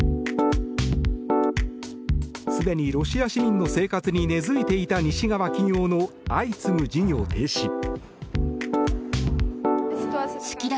すでにロシア市民の生活に根付いていた西側企業の相次ぐ事業停止。